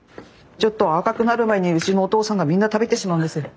ちょっと赤くなる前にうちのおとうさんがみんな食べてしまうんです。